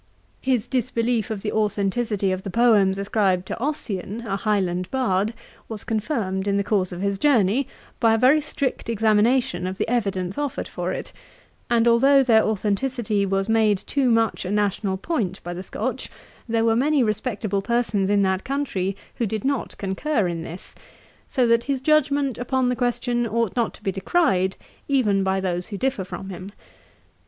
His disbelief of the authenticity of the poems ascribed to Ossian, a Highland bard, was confirmed in the course of his journey, by a very strict examination of the evidence offered for it; and although their authenticity was made too much a national point by the Scotch, there were many respectable persons in that country, who did not concur in this; so that his judgement upon the question ought not to be decried, even by those who differ from him.